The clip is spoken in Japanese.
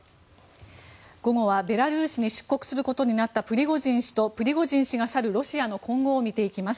午後はベラルーシに出国することになったプリゴジン氏とプリゴジン氏が去るロシアの今後を見ていきます。